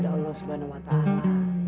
dekatkanlah diri kepada allah swt